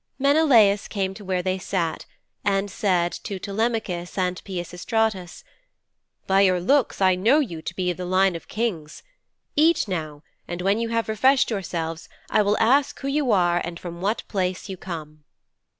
Menelaus came to where they sat and said to Telemachus and Peisistratus, 'By your looks I know you to be of the line of Kings. Eat now, and when you have refreshed yourselves I will ask who you are and from what place you come.'